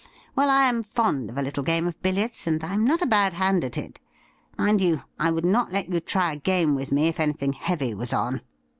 Well, I am fond of a little game of billiards, and I'm not a bad hand at it. Mind you, I would not let you try a game with me if anything heavy was on.'